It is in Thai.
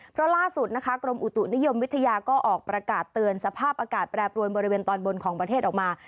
เพราะล่าสุดนะคะกรมอุตุนิยมวิทยาก็ออกประกาศเตือนสภาพอากาศแปรปรวนบริเวณตอนบนของประเทศออกมา